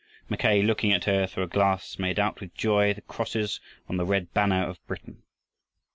Mackay, looking at her through a glass, made out with joy the crosses on the red banner of Britain!